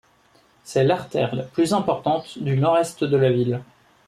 C'est l'artère la plus importante du Nord-Est de la ville.